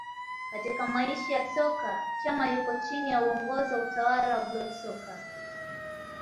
Katika maisha ya soka Chama yuko chini ya uongozi wa utawala wa Bro Soccer